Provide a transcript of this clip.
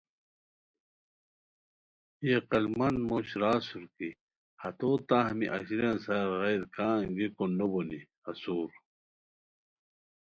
ای عقلمند موش را اسور کی ہتو تہ ہمی اژیلیان سار غیر کا انگیکو نوبونی اسور